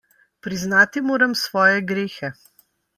Priznati moram svoje grehe.